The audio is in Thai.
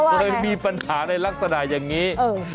บ้านมาใหม่มีปัญหาในลักษณะอย่างงี้